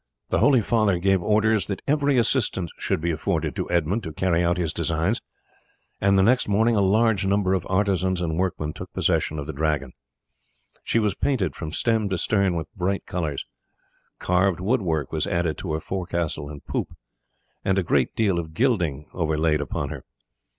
The holy father gave orders that every assistance should be afforded to Edmund to carry out his designs, and the next morning a large number of artisans and workmen took possession of the Dragon. She was painted from stem to stern with bright colours. Carved wood work was added to her forecastle and poop, and a great deal of gilding overlaid upon her.